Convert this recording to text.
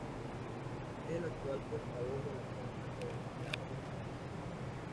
Es el actual portavoz de la Cámara de Delegados de Virginia.